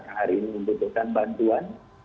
yang hari ini membutuhkan bantuan